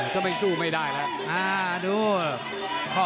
ถ้าไม่สู้ไม่ได้แหละ